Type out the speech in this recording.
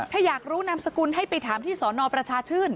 ถ้าอยากรู้นามสกุลให้ไปถามที่สนประชาชื่น